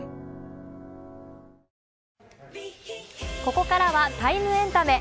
ここからは「ＴＩＭＥエンタメ」。